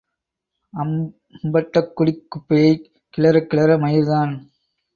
அம்பட்டக்குடிக் குப்பையைக் கிளறக் கிளற மயிர்தான்.